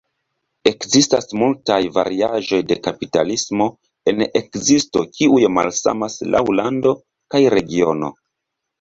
Ekzistas multaj variaĵoj de kapitalismo en ekzisto kiuj malsamas laŭ lando kaj regiono.